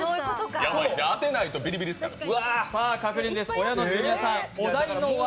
当てないとビリビリですからね。